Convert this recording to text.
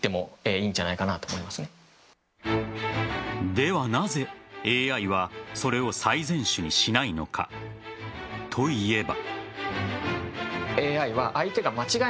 では、なぜＡＩはそれを最善手にしないのかと言えば。